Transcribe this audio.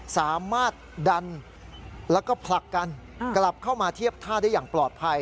สามารถดันแล้วก็ผลักกันกลับเข้ามาเทียบท่าได้อย่างปลอดภัย